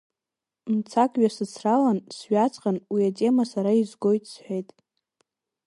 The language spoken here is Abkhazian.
Мцак ҩасыцралан, сҩаҵҟьан уи атема сара изгоит сҳәеит.